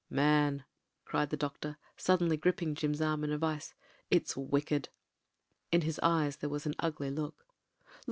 "Man," cried the doctor, suddenly gripping Jim's arm in a vice, "it's wicked!" In his eyes there was an ugly look.